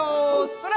それ！